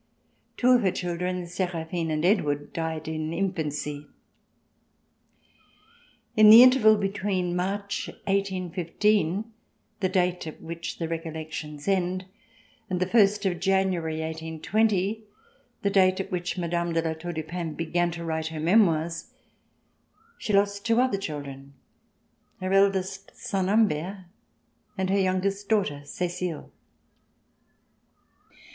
Two of her children, Seraphine and Edward, died in infancy. In the interval between March, 181 5, the date at which the Recollections end, and the first of January, 1820, the date at which Madame de La Tour du Pin began to write her memoirs, she lost two other children, her eldest son, Humbert, and her youngest daughter, Cecile.